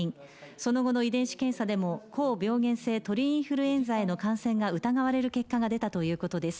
その後の遺伝子検査でも高病原性鳥インフルエンザへの感染が疑われる結果が出たということです。